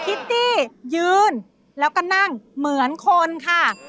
ิตตี้ยืนแล้วก็นั่งเหมือนคนค่ะ